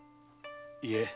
いえ。